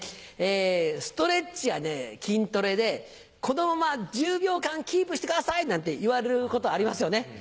ストレッチや筋トレで「このまま１０秒間キープしてください」なんて言われることありますよね？